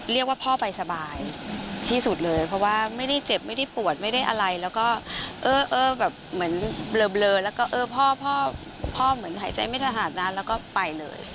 เรียกว่าพ่อไปสบายที่สุดเลยเพราะว่าไม่ได้เจ็บไม่ได้ปวดไม่ได้อะไรแล้วก็เออแบบเหมือนเบลอแล้วก็เออพ่อพ่อเหมือนหายใจไม่ถนัดนะแล้วก็ไปเลย